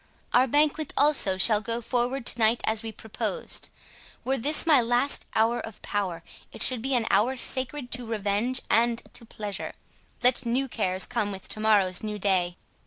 Our banquet also shall go forward to night as we proposed. Were this my last hour of power, it should be an hour sacred to revenge and to pleasure—let new cares come with to morrow's new day."